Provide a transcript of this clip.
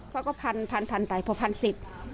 เขาก็พันไปพอพันสิบ